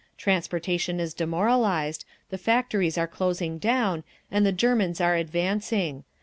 Transportation is demoralised, the factories are closing down, and the Germans are advancing.